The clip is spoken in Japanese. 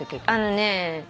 あのね